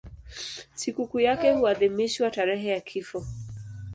Sikukuu yake huadhimishwa tarehe ya kifo.